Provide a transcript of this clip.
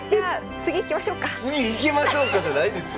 「次いきましょうか」じゃないですよ。